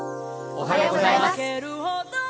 おはようございます。